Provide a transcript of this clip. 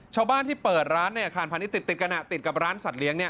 ชาวบ้านที่เปิดร้านในอาคารพาณิชยติดกันติดกับร้านสัตเลี้ยง